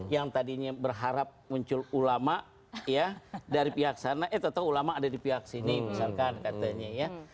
yang tadinya berharap muncul ulama ya dari pihak sana eh tentu ulama ada di pihak sini misalkan katanya ya